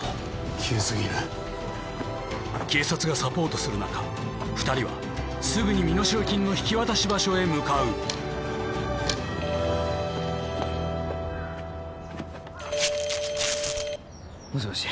急すぎる警察がサポートする中２人はすぐに身代金の引き渡し場所へ向かうもしもし？